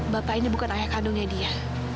bapak ini bukan ayah kandungnya dia